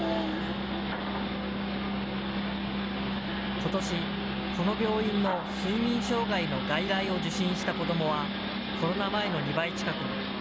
ことし、この病院の睡眠障害の外来を受診した子どもは、コロナ前の２倍近くに。